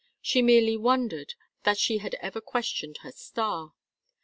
She merely wondered that she had ever questioned her star.